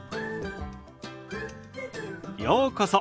ようこそ。